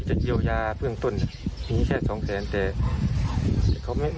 จะเกี่ยวยาพื้นต้นมีแค่๒๐๐๐๐๐บาท